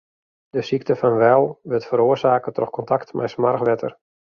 De sykte fan Weil wurdt feroarsake troch kontakt mei smoarch wetter.